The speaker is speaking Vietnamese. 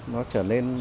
nó trở nên